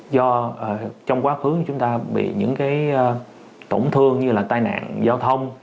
do trong quá khứ chúng ta bị những cái tổn thương như là tai nạn giao thông